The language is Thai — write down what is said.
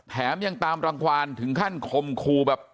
แถมยังตามรังความถึงขั้นคมคูแบบ